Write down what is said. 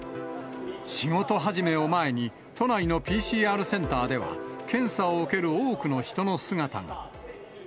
仕事始めを前に、都内のＰＣＲセンターでは、検査を受ける多くの人の姿が。